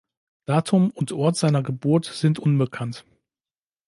Datum und Ort seiner Geburt sind unbekannt.